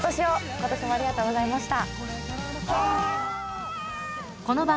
今年もありがとうございました。